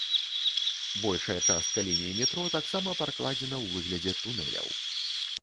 Большая частка ліній метро таксама пракладзена ў выглядзе тунэляў.